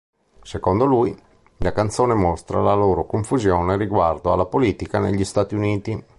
Secondo lui, la canzone mostra la loro confusione riguardo alla politica negli Stati Uniti.